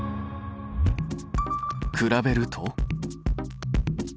比べると。